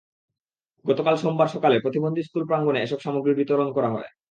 গতকাল সোমবার সকালে প্রতিবন্ধী স্কুল প্রাঙ্গণে এসব সামগ্রী বিতরণ করা হয়।